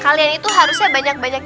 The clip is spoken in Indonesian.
kalian itu harusnya banyak banyak